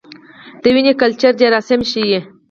د وینې کلچر جراثیم ښيي.